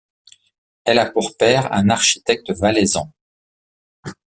Elle a pour père un architecte valaisan.